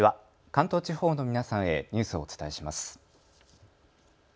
関東地方の皆さんへニュースをお伝えします。